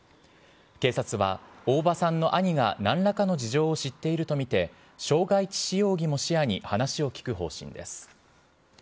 警察は大場さんの兄がなんらかの事情を知っていると見て、傷害致死容疑も視野に話を聞く方針です。